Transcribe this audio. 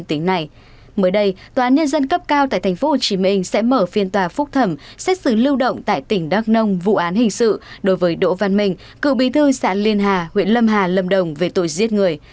mới đây tòa án nhân dân cấp cao tại tp hcm sẽ mở phiên tòa phúc thẩm xét xử lưu động tại tỉnh đắk nông vụ án hình sự đối với đỗ văn minh cựu bí thư xã liên hà huyện lâm hà lâm đồng về tội giết người